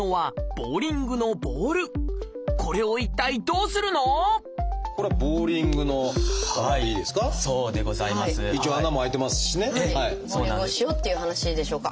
ボウリングをしようっていう話でしょうか？